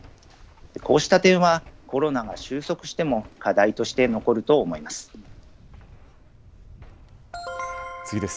こうした点はコロナが収束しても、課題として残ると思います。